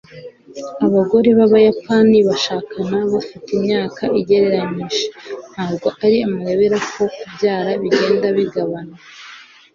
Abagore bAbayapani bashakana bafite imyaka ugereranije Ntabwo ari amayobera ko kubyara bigenda bigabanuka